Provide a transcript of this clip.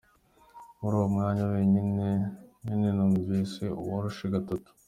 Muri uwo mwanya nyene, numvise uwurashe gatatu.